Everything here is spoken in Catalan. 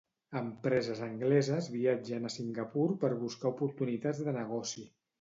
Empreses angleses viatgen a Singapur per buscar oportunitats de negoci.